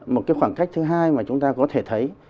một cái khoảng cách thứ hai mà chúng ta có thể thấy